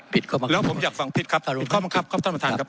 แล้วผมอยากฟังผิดครับผิดข้อมังครับครับท่านประธานครับ